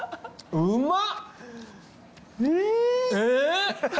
うまっ！